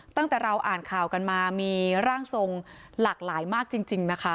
ตั้งแต่เราอ่านข่าวกันมามีร่างทรงหลากหลายมากจริงนะคะ